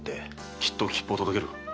きっと吉報を届ける。